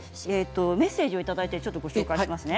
メッセージをいただいています。